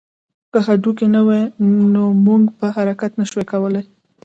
که هډوکي نه وی نو موږ به حرکت نه شوای کولی